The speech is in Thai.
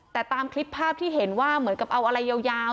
แต่ตามคลิปภาพที่เห็นว่าเหมือนกับเอาอะไรยาว